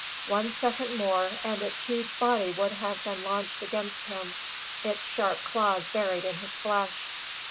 One second more, and its huge body would have been launched against him, its sharp claws buried in his flesh.